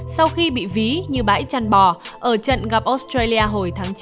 sau khi bị ví như bãi chăn bò ở trận gặp australia hồi tháng chín